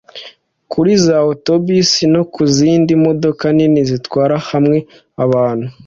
kuri za Autobus no Kuzindi modoka nini zitwarira hamwe abantu